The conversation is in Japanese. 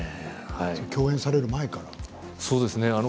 共演される前から？